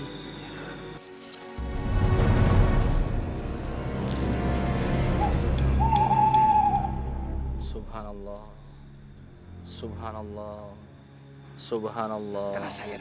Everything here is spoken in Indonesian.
terasa hendak berdakwah ini